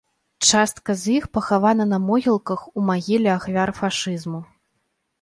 Частка з іх пахавана на могілках ў магіле ахвяр фашызму.